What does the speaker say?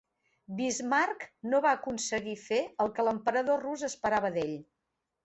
Bismarck no va aconseguir fer el que l'emperador rus esperava d'ell.